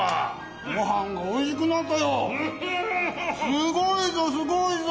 すごいぞすごいぞ。